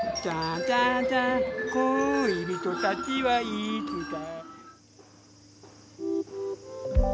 「恋人達はいつか」